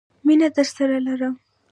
مینه درسره لرم